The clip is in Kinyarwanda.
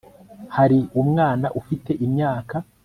hari umwana ufite imyaka